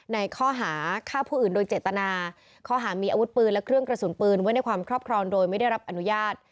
ในข้อหาฆ่าผู้อื่นโดยเจตนาข้อหามีอาวุธปืนและเครื่องกระสุนปืนไว้ในความครอบครองโดยไม่ได้รับอนุญาต